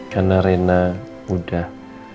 karena rena udah